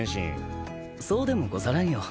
そうでもござらんよ。